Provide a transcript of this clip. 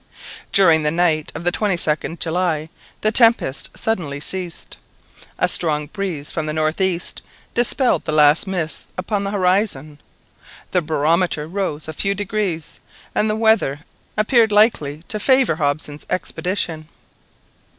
During the night of the 22d July the tempest suddenly ceased. A strong breeze from the north east dispelled the last mists upon the horizon. The barometer rose a few degrees, and the weather appeared likely to favour Hobson's expedition.